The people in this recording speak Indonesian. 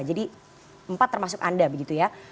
jadi empat termasuk anda begitu ya